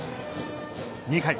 ２回。